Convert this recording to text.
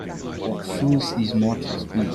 What fools these mortals be